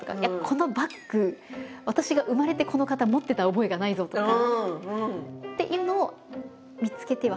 このバッグ私が生まれてこのかた持ってた覚えがないぞとか。